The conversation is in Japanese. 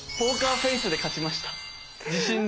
自信で！